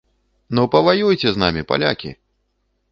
Ну паваюйце з намі, палякі!